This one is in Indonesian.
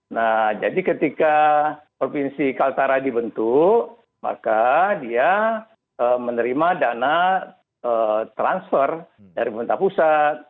nah jadi ketika provinsi kaltara dibentuk maka dia menerima dana transfer dari pemerintah pusat